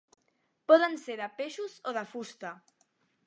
Poden ser de peixos o de fusta.